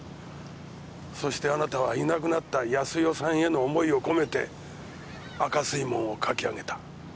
そしてあなたはいなくなった康代さんへの思いを込めて『赤水門』を書き上げた。